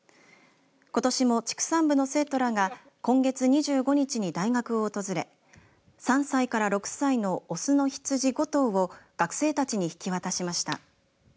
ことしも畜産部の生徒らが今月２５日に大学を訪れ３歳か６歳の雄のヒツジ５頭を学生たちに引き渡しました。